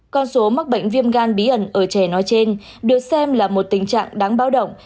con số mắc bệnh viêm gan bí ẩn ở trẻ nói trên được xem là một tình trạng đáng báo động